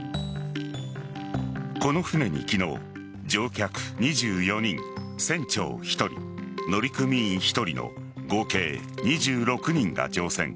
この船に昨日乗客２４人、船長１人乗組員１人の合計２６人が乗船。